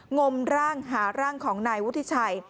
งมร่างหาร่างของนายวุฒิชัย